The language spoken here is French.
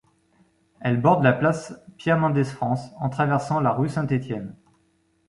Elle borde la Place Pierre-Mendès-France en traversant la rue Saint-Étienne.